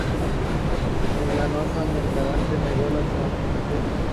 En una nota, Mercadante negó las acusaciones.